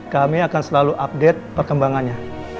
kami akan selalu update perkembangannya